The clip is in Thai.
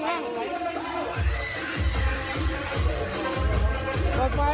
ฟัยเธอต้องไหว